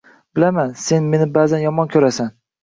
Bilaman, sen meni ba’zan yomon ko‘rasan